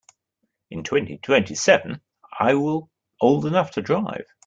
In twenty-twenty-seven I will old enough to drive.